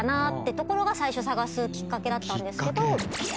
ところが最初探すきっかけだったんですけど。